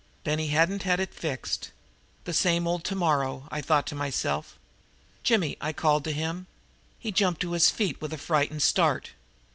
Then he hadn't had it fixed. The same old tomorrow, I thought to myself. "Jimmy," I called to him. He jumped to his feet with a frightened start.